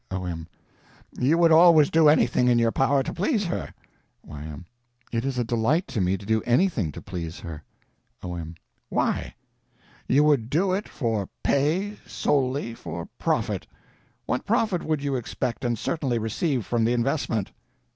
O.M. You would always do anything in your power to please her? Y.M. It is a delight to me to do anything to please her! O.M. Why? _You would do it for pay, solely _—for profit. What profit would you expect and certainly receive from the investment?